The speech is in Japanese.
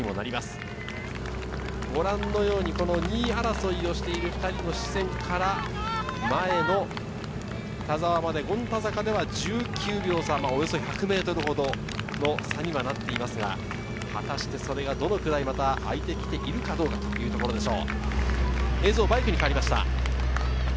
２位争いをしている２人の視線から前の田澤まで、権太坂では１９秒差、およそ１００ｍほどの差にはなっていますが、果たしてそれがどのくらいあいてきているかというところでしょう。